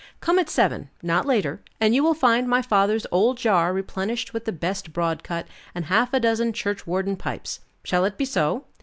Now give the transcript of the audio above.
Come at seven, not later, and you will find my father's old jar replenished with the best broadcut, and half a dozen churchwarden pipes. Shall it be so?"